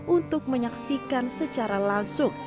untuk menyaksikan secara langsung